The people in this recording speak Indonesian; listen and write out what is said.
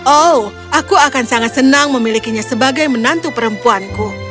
oh aku akan sangat senang memilikinya sebagai menantu perempuanku